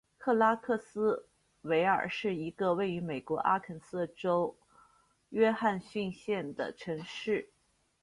克拉克斯维尔是一个位于美国阿肯色州约翰逊县的城市。